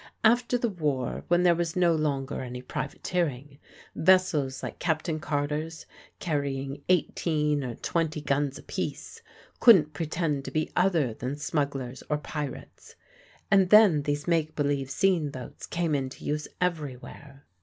After the war, when there was no longer any privateering, vessels like Captain Carter's, carrying eighteen or twenty guns apiece, couldn't pretend to be other than smugglers or pirates, and then these make belief sean boats came into use everywhere.